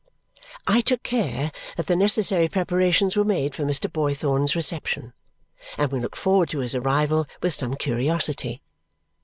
I took care that the necessary preparations were made for Mr. Boythorn's reception, and we looked forward to his arrival with some curiosity.